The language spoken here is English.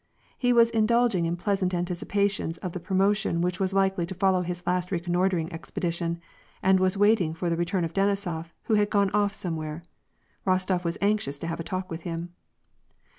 He was indulging in pleasant anticipations of the promotion which was likely to follow his last reconnoitring ex]>edition, and was waiting for the return of Denisof, who had gone oflF somewhere. Bostof was anxious to have a talk with him.